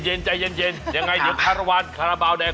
ยังไงเดี๋ยวคาราวันคาราบาวแดง